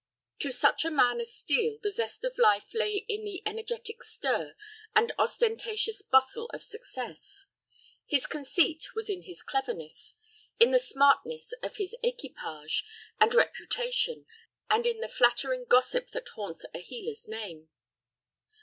To such a man as Steel the zest of life lay in the energetic stir and ostentatious bustle of success. His conceit was in his cleverness, in the smartness of his equipage and reputation, and in the flattering gossip that haunts a healer's name.